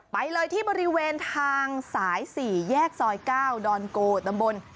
ไปเลยที่บริเวณทางสาย๔แยกซอย๙ดอนโกตำบล